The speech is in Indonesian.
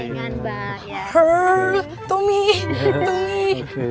senang ketemu dengan mbak